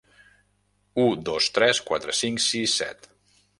U dos tres quatre cinc sis set.